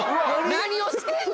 何をしてんの？